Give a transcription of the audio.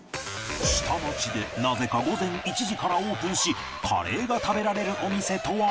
下町でなぜか午前１時からオープンしカレーが食べられるお店とは一体？